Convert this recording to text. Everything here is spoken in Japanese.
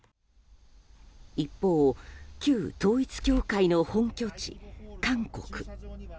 一方、旧統一教会の本拠地韓国。